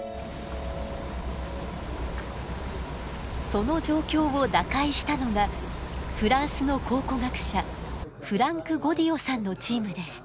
その状況を打開したのがフランスの考古学者フランク・ゴディオさんのチームです。